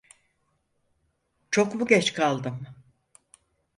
Çok mu geç kaldım?